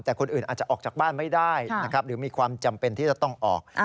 แต่คนอื่นอาจจะออกจากบ้านไม่ได้นะครับหรือมีความจำเป็นที่จะต้องออก